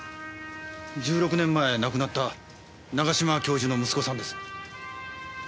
１６年前亡くなった永嶋教授の息子さんです。